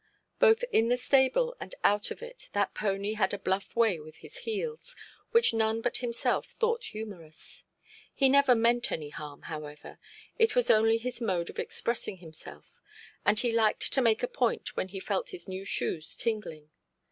Both in the stable and out of it, that pony had a bluff way with his heels, which none but himself thought humorous. He never meant any harm, however—it was only his mode of expressing himself; and he liked to make a point when he felt his new shoes tingling.